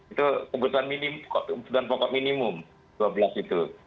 itu kebutuhan pokok minimum dua belas itu